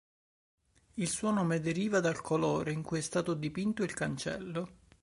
Il suo nome deriva dal colore in cui è stato dipinto il cancello.